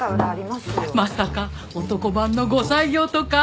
まさか男版の後妻業とか？